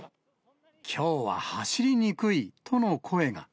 きょうは走りにくいとの声が。